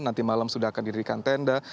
nanti malam sudah akan didirikan tenda